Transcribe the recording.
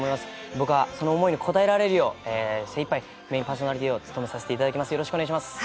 僕はその想いに応えられるよう、精いっぱい、メインパーソナリティーを務めさせていただきます、よろしくお願いします。